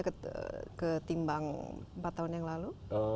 jumlah timnya ketimbang empat tahun yang lalu